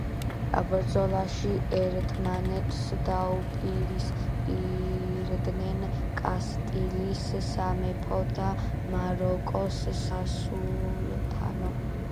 ბრძოლაში ერთმანეთს დაუპირისპირდნენ კასტილიის სამეფო და მაროკოს სასულთნო.